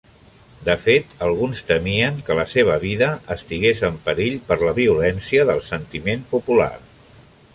De fet, alguns temien que la seva vida estigués en perill per la violència del sentiment popular.